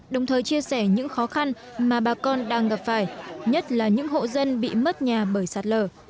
đồng thời chia sẻ những khó khăn mà bà con đang gặp phải nhất là những hộ dân bị mất nhà bởi sạt lở